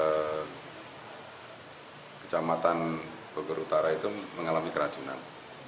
kandungan barang bukti di sekitar kecamatan bogor utara itu mengalami keracunan